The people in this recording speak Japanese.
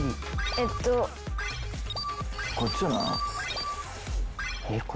えっこっちかな？